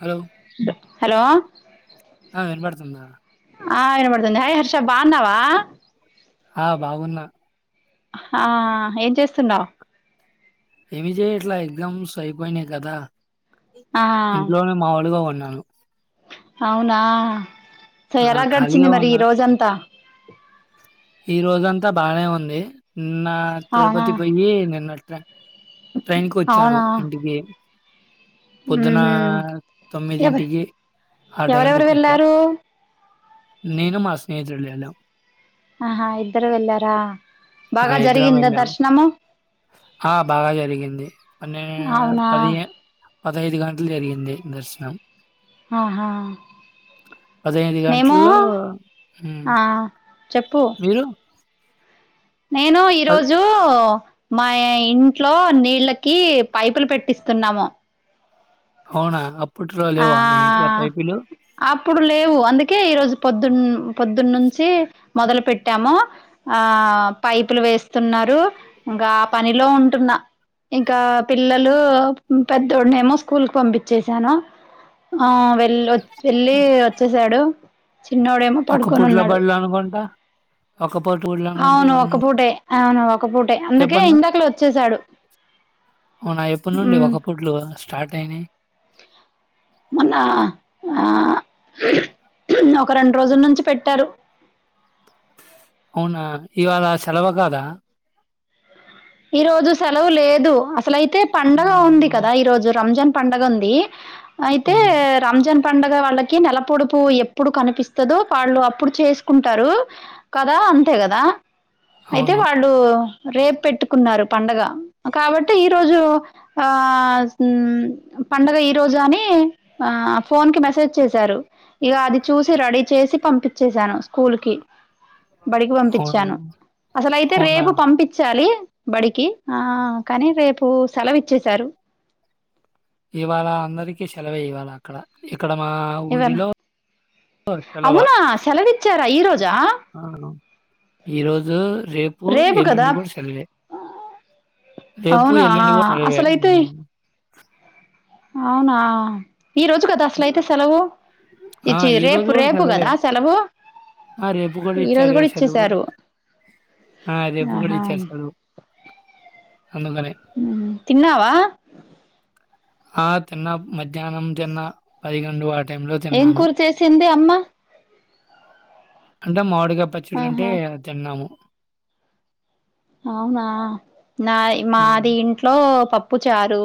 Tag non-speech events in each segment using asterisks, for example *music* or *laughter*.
Hello hello ఆ విన తుంద ఆ వినబడుతుంది హయ్ హర్ష బా ఉన్నవా ఆ బాగున్నా ఆ ఏం చేస్తున్నావు్ ఏమి చేయట్లా ఎగ్జామ్స్ అయిపోయినాయి కదా ఆ ఇంట్లోనే మాములుగా ఉం అవును అవునా సో ఆ ఎలా గడిచింది ఖాళీగా మరీ ఉన్నా ఈ రోజంతా. *inaudible* ఈ రోజంతా బాగనే ఉంది. నిన్నా అవునా తిరుపతి పోయ్యీ నిన్నొచ్ త్రా ట్రైన్కి వచ్చాను అవునా ఇంటికీ. పొద్దునా ఉహు ఎవరు తొమ్మిదింటికి ఆ టైం ఎవరెవరు లోకి వచ్చా. వెళ్ళారు నేను మా స్నేహితుడు వెళ్ళాం. ఆహా ఇద్దరూ వెళ్లారా. ఆ ఇద్దరం వెళ్ళాము. ఆ బాగా జరిగింది. పన్నే అవునా పదిహే పదిహైదు గంటలు జరిగింది దర్శనం. ఆహా పదహైదు మేమూ గంటల్లో ఉమ్ ఆ చెప్పూ. మీరు నేనూ ప ఈరోజూ మా ఇంట్లో నీళ్ళకీ పైపులు పెట్టిస్తున్నాము. అవునా అప్ ఆ అప్పుడు లేవు అందుకే ఈరోజు పొద్దున్న పొద్ పోదున్ నుంచీ మొదలు పెట్టామూ, ఆ పైపులు వేస్తున్నారూ ఇంకా పనిలో ఉంటున్న. ఇంకా పిల్లలూ పెద్దోడినేమో స్కూల్కి పంపిచ్చేశాను. ఆ వె వెళొచ్ వెళ్ళీ వచ్చేసాడు. చిన్నోడేమో ఒక పడుకొని పూట్ల ఉన్నాడు బడ్లు అనుకుంటా. ఒక పూట్ అవును ఒక పూటే. అవును ఒక పూటే అందుకే ఎప్పడ్ నా. ఇందాకలే వచ్చేసాడు అవునా ఎప్పటి నుండి మ్ ఒక ఫూట్లు స్టార్ట్ అయినయి. మొన్నా ఆ ఒక రెండు రోజుల్ నుంచి పెట్టారు. అవునా ఇవాళా సేలవ కాదా. ఈ రోజు సెలవు లేదు. అసలయితే పండగా ఉంది హ్మ్. కదా ఈ రోజు రంజాన్. పండుగ ఉంది అయితే అవును. పండుగ వాళ్ళకి నెలపొడుపు ఎప్పుడు కనిపిస్తుదో వాళ్ళు అప్పుడు చేసుకుంటారు కదా అంతే కదా అయితే అవును. వాళ్ళు రేపు పెట్టు కున్నారు పండగ కాబట్టి ఈరోజు ఆ పండగ ఈ రోజు అని. ఆ ఫోన్ కి మెసేజ్ చేశారు ఇక అది చూసి రడీ చేసి పంపించెసాను స్కూల్ కి బడికి అవును. పంపించాను అసలయితే అవునా? రేపు పంపించాలి. బడికి ఆ కానీ రేపు సెలవు ఇచ్చేశారు ఇవాళ అందరికీ సెలవే ఇవాళ అక్కడ క్కడ మా ఇవాళ ఊరిలో సెలవా ఈరోజా ఆ ఈరోజు రేపు ఎల్లుండి కూడా సెలవే రేపు అవునా ఎల్లుండి కూడా సెలవే. అసలైతే అవునా ఈ రోజు కదా అసలయితే సెలవు ఆ! ఇచ్చే ఈరోజు రేపు కూడా రేపు సెలవే. కదా సెలవు ఆ! రేపు ఈ రోజు ఇచ్చారుగా కూడా సెలవు. ఇచ్చసారు ఆ! రేపు గూడా ఆహా ఇచ్చేస్తాడు. అందుకనే. తిన్నావా. ఆ తిన్న మధ్యాహ్నం తిన్న పదకొండు ఆ టైంలో ఏం తిన్నాను. కూర చేసింది అమ్మ. *inaudible* అంటే మామిడి పచ్చడి అంటే ఆహా తిన్నాము అవునా నా ఆ! మాది ఇంట్లో ప పప్పు చారు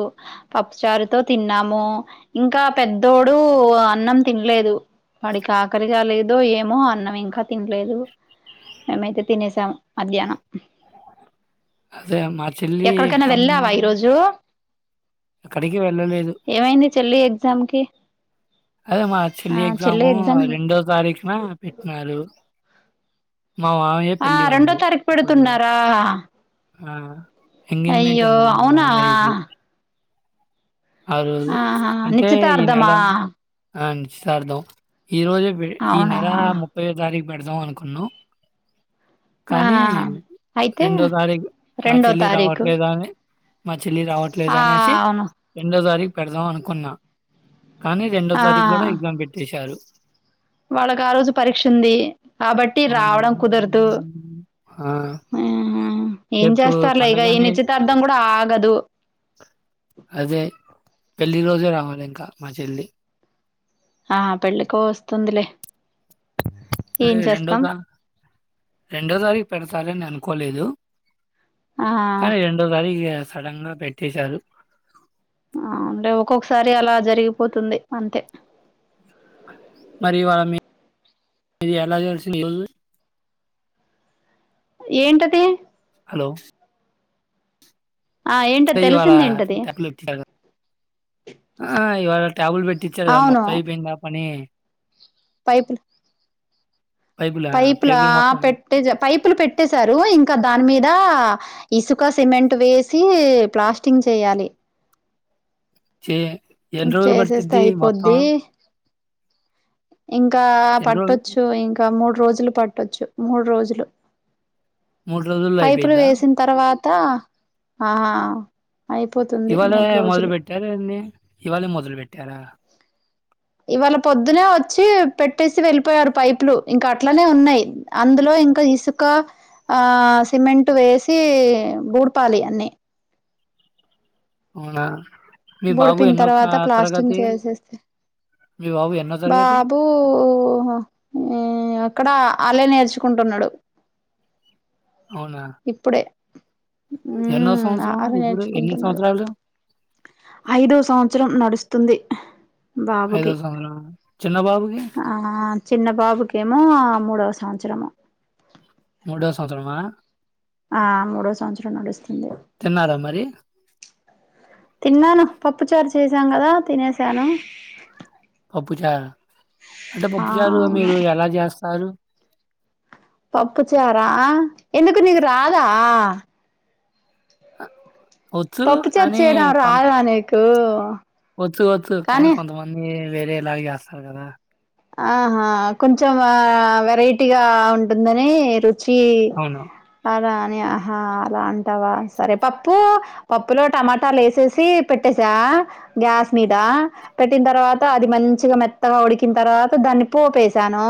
పప్పు చారుతో తిన్నాము ఇంకా పెద్దోడు అన్నం తినలేదు. వాడికి ఆకరలిగా లేదు ఏదో ఏమో అన్నం ఇంకా తినలేదు మేమైతే తినేసాము మధ్యాహ్నం. అదే మా చల్లీ ఎక్కడికైనా ఎగ్జామ్ వెళ్ళావా ఈరోజు ఎక్కడికి వెళ్ళలేదు చల్లీ ఎగ్జామ్ కి అదే మా చెల్లి ఆ ఎగ్జాము ఎగ్జామ్ రెండో తారీఖున పెట్టినరు ఆ రెండో తారీఖు అప్పుడు పెడుతున్నారా ఆ ఎంగేజ్మెంట్ అయ్యో ఉంది మా అవునా మామయ్యది. ఆ రోజు. ఆహా అంటే ఈ నెల నిశ్చితార్థమా ఆ నిశ్చితార్థం ఈ రోజె పెళ్ళి ఈ అవునా నెల ముప్పై తారీఖు పెడదాం అనుకున్నావ్ ఆ కానీ అయితే రెండో తారీఖు మా రెండో చెల్లి తారీఖు రావట్లేద అని మా చెల్లి రావట్లేదు ఆ అనేసి అవును రెండో తారీకు పెడదాం అనుకున్నా. కానీ రెండో ఆ తారీఖు కూడా ఎగ్జామ్ పెట్టేశారు. *inaudible* వాళ్ళకి ఆ రోజు పరీక్ష ఉంది కాబట్టి అవును. రావడం కుదరదు. హ్మ్. ఆ! ఆహ ఏం రేపు చేస్తారులే ఇక ఈ పండగనే నిశ్చితార్థం కూడా ఆగదు. దే పెళ్ళి రోజే రావాలి ఇంకా మా చెల్లి ఆ పెళ్ళికో వస్తుందిలే ఏం అదే రెండో చేస్తాం ద రెండో తారీఖు పెడతారు అనుకోలేదు. ఆ కానీ రెండో తారికే సడన్ గా పెట్టేశారు. అ అంటే ఒక్కొక్కసారి అలా జరిగిపోతుంది అంతే. మరి వామి ఎలా తెలిసింది ఈరోజు ఏంటది హలో ఆ అంటే ఏంటది ఇవాళ తెలిసింద ఏంటది ట్యాబ్‌లు ఇచ్చారు. ఆ ఇవాళ ట్యాబుల్ పెట్టించారు కదా మొత్తం అయిపోయిందా పని. పైపులు పైపులా పైపులు మొత్తం పెట్టే జె పైపులు పెట్టేశారు ఇంకా ఇంకా దాని మీద ఇసుక, సిమెంట్ వేసి ప్లాస్టింగ్ చేయాలి. చే ఎన్ని రోజులు చేసేస్తే పట్టిద్ది మొత్తం అయిపోద్ది. ఇంకా ఎన్ని రోజులు పట్టొచ్చు ఇంకా మూడు రోజులు పట్టొచ్చు మూడు రోజులు మూడు రోజుల్లో పైపులు అయిపోయిద్దా వేసిన తర్వా తా ఆ అయిపోతుంది ఇవాళే మూడు మొదలు రోజులు పెట్టారా ఏంది ఇవాళే మొదలు పెట్టారా. ఇవాళ పొద్దునే వచ్చి పెట్టేసి వెళ్ళిపోయారు పైపులు ఇంకా అట్లనే ఉన్నాయి. అందులో ఇంకా ఇసుక ఆ సిమెంట్ వేసి బూడ్పాలి అన్ని అవునా మీ బాబు బూడిఫినా ఎన్నో తర్వాత క- ప్లాస్టింగ్ తరగతి చేసేస్తే మీ బాబు ఎన్నో తరగతి బాబు ఊ అక్కడ ఆలే నేర్చుకుంటున్నాడు. అవునా ఇప్పుడే ఎన్నో ఉమ్ సంవత్సరం అలా ఇప్పుడు ఎన్ని నేర్చుకుంటున్నాడు సంవత్సరాలు ఐదో సమాచ్రమ్ నడుస్తుంది ఐదో బాబుకి సంవత్సరం చిన్న బాబుకి ఆ చిన్న బాబుకిమో మూడోస సమాచ్రమా ముడో సమాచ్రమా ఆ మూడో సమాచరమ నడుస్తుంది తిన్నారా మరి తిన్నాను పప్పు చారు చేసాం కదా తినేసాను పప్పు చారా అంటే ఆ పప్పు చారు అవును మీరు ఎలా చేస్తారు పప్పు చారా ఆ ఎందుకు నకు రాధా అ పప్పు చేర్ చేయడం రాదానే కో వచ్చ వద్చ్చ కానీ కొంతమంది వేరే లాగా చేస్తారు కదా ఆహా కొంచెం వెరైటీగా ఉంటుందని రు చి అవును అడా ఆ హా అలా అంటావా సరే పప్పు పప్పు లో టటాలు వెసెసి గ్యాస్ మీద పెట్టిన తర్వాత అది మంచిగా మెత్తగా ఉడికి తర్వాత దాన్ని పోపసాను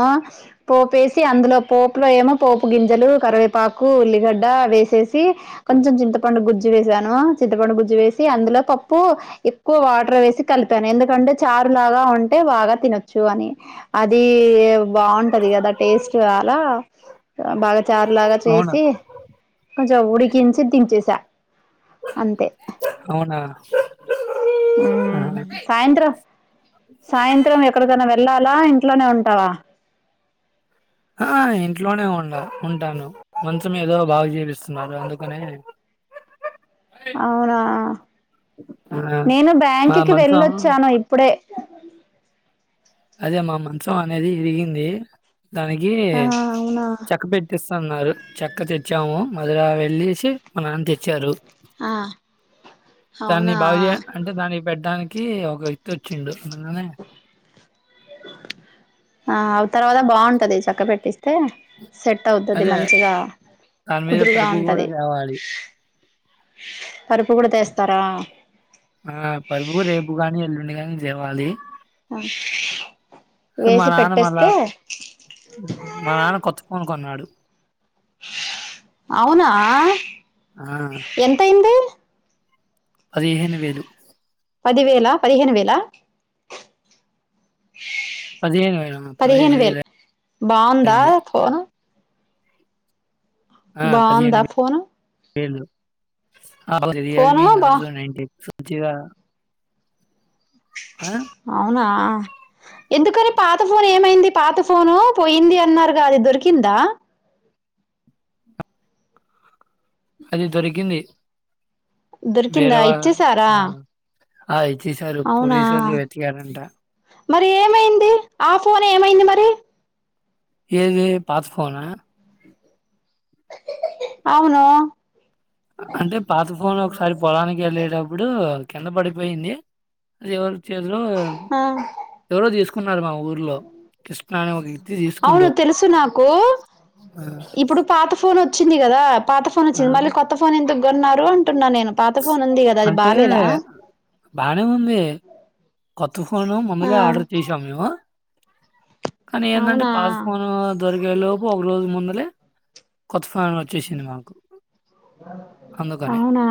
పోపేసి అందులో పోపులో ఏమో పోపు గింజలు కరివేపాకు ఉల్లిగడ్డ వేసేసి కొంచెం చింతపండు గుజ్జు వసాను చింతపండు గుజ్జు వేసి అందులో పప్పు ఎక్కువ వాటర్ వేసి కలిపాను ఎందుకంటే చారులాగా ఉంటే బాగా తినొచ్చు చు అని అది బాగుంటది కదా టేస్ట్ అలా బాగా చారులాగా అవునా చేసి కొంచెం ఉడికించి దించేసా అంతే అవునా? ఉమ్ ఆహా! సాయంత్రం సాయంత్రం ఎ వెళ్ళాలా ఇంట్లోనే ఉంటావా ఆ ఇంట్లోనే ఉండ ఉంటాను మంచం ఏదో బాగు జీవిస్తున్నారు అందుకనే అవునా ఆ! నేను మా బ్యాంక్కి మంచం వెళ్ళొచ్చాను ఇప్పుడే అదే మా మంచం అనేది విరిగింది దానికి ఆ అవునా చెక్క పెట్టేస్త న్నారు చెక్క తెచ్చాము మధుర వెళ్ళసి మా నాన్న తెచ్చారు ఆ దాన్ని అవునా బాగు చే అంటే దాని పెట్టడానికి ఒక వ్యక్తి వచ్చిండు అగానే ఆ తర్వాత బాగుంటది చక్క పెట్టిస్త తే అయితే సెట్ అవుతుంది అదే మంచిగా దాని మీద కుదురుగా పరుపు గూడా ఉంటుంది తేవాలి. పరుపు కూడా తీస్తారా ఆ పరుపు రెపుగాని ఎలుండి గా దేవాలి మా వేసి నాన్న మళ్ళా పెట్టేస్తే మా నాన్న కొత్త ఫోన్ కొన్నాడు. అవునా ఆ! ఎంతయింది పదిహేను వేలు పదివేలా పదిహేను వేలా పదిహేను వేలు ఆ! పదిహేను వేలు బాగుందా అయింది. బాంద ఫోన్ ఏళ రియల్మ ఫోను నా బా నై సజగా అవునా ఎందుకని పాత ఫోన్ ఏమైంది పాత ఫోను పోయింది అన్నారుగా అది దొరికిందా అది దొరికింది దొరికిందా ఇచ్చేశారా ఆయి చ్చసారు పోలీసు వాళ్ళలు వెతికారంట మరి ఏమైంది ఆ ఫోన్ ఏమైంది మరి ఏది పాతుకోనా అవును అంటే పాత ఫోన్ ఒకసారి పొలానికి వెళ్ళేటప్పుడు కింద పడిపోయింది అది ఎవరు చేలో ఆ ఎవరో తీసుకు వ్యక్తి అవును తీసుకుండు. తెలుసు నాకు ఆ! ఇప్పుడు పాత ఫోన్ వ వచ్చింది కదా పాత ఫోన్ ఆ! వచ్చింది మళ్ కొత్త ఫోన్ ఎంత న్నారు అంట న్నా నేను పాత ఫోన్ ఉంది కదా అది అంటే బాలేదా బానే ఉంది. కొత్త తుఫాను ఆ మొందలే ఆర్డర్ చేసాము మేము కానీ ఏంటంటే అవునా పాస్ ఫోన్ దొరికే లోపు ఒక రోజు ముందలే కొ అందుకనే. అవునా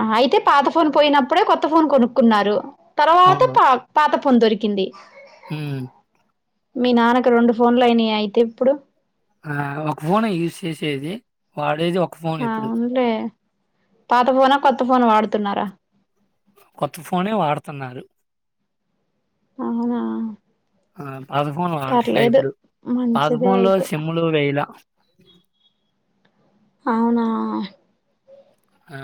ఆ అయితే పాత ఫోన్ పోయినప్పుడే కొత్త కొత్త ఫోన్ కొనుక్కున్నారు తర్వాత అవును. పా పాత పొందొరికింది హ్మ్. మీ నానకు రెం ఫోన్ లైయినా అయితిప్పుడు ఆ ఒక ఫోనే యూజ్ చేసేది వాడేది ఒ అవునులే పాత ఫోనా కొత్త ఫోను వాడుతు తున్నారా కొత్త ఫోనే వాడుతున్నారు అవునా ఆ పాత ఫోన్ వాడట్లే పర్లేదు ఇప్పుడు. పాత మంచిదే ఫోన్‌లో అయితే సిమ్‌లు వేయలా. అవునా ఆ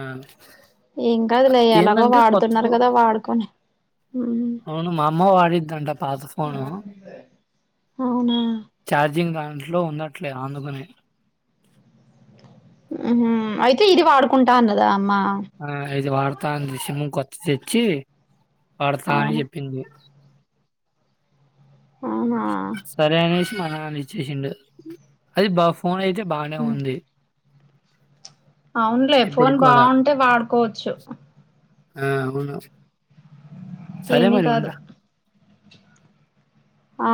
ఏం కాదులే ఎలాగో ఏందంటే కొత్త వాడుతున్నారు ఫో కదా వాడుకోనీ ఉమ్ అవును. మా అమ్మ వాడిద్దంట పాత ఫోను. అవునా ఇంట్లో ఉండట్లే అందుకనే ఊహూ అయితే ఇది వాడుకుంటా అన్నదా అమ్మ ఆ అయితే వాడు తాంది సిమ్ము కొత్తది తెచ్చి వాడతా అని అవునా చెప్పింది అవునా సరే అనేసి మా నాన్న ఇచ్చేసిండు అది బఫ్ ఫోన్ అయితే బానే ఉంది అవునులే ఫోన్ ఇప్పటికి కూడా. బావుంటే వాడుకోవచ్చు ఆ అవును సరే ఏమీ మరి కాదు వుంటా ఆ